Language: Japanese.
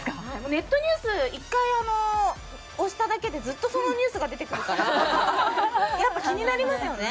ネットニュース１回あの押しただけでずっとそのニュースが出てくるからやっぱり気になりますよね。